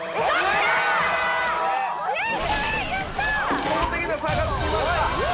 圧倒的な差がつきました。